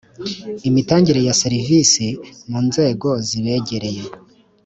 imitangire ya serivisi mu nzego zibegereye